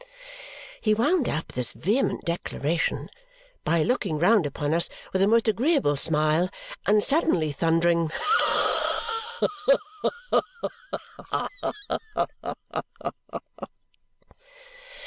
He wound up this vehement declaration by looking round upon us with a most agreeable smile and suddenly thundering, "Ha, ha, ha!"